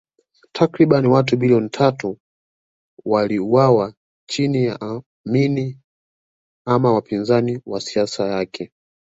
Takriban watu milioni tatu waliuawa chini ya Amin ama wapinzani wa siasa yake